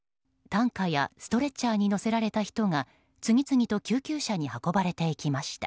担架やストレッチャーに乗せられた人が次々と救急車に運ばれて行きました。